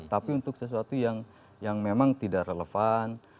tapi untuk sesuatu yang memang tidak relevan